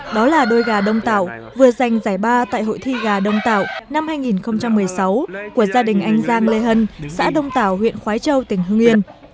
đó là đôi gà đông tạo vừa giành giải ba tại hội thi gà đông tạo năm hai nghìn một mươi sáu của gia đình anh giang lê hân xã đông tảo huyện khói châu tỉnh hưng yên